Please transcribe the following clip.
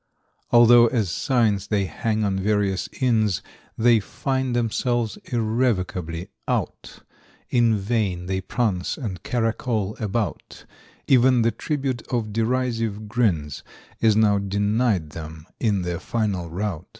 "= Although as signs they hang on various inns, `They find themselves irrevocably "out."= [Illustration: 040] In vain they prance and caracole about, Even the tribute of "derisive grins" `Is now denied them in their final rout.